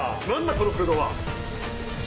この空洞は！